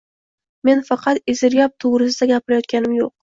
Men faqat Esirgap tuvrisida gapirajatg‘anim jo‘q